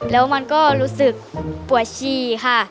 แล้วมันก็รู้สึกปวดชีค่ะ